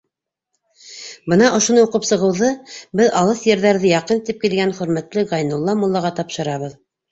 Бына ошоно уҡып сығыуҙы беҙ алыҫ ерҙәрҙе яҡын итеп килгән хөрмәтле Ғәйнулла муллаға тапшырабыҙ.